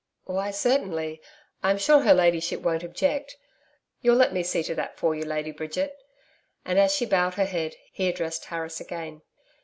'Why, certainly. I'm sure her Ladyship won't object. You'll let me see to that for you, Lady Bridget,' and, as she bowed her head, he addressed Harris again.